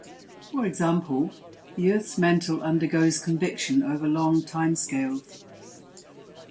For example, the Earth's mantle undergoes convection over long time scales.